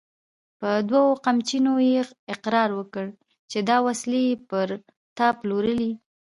په دوو قمچينو يې اقرار وکړ چې دا وسلې يې پر تا پلورلې!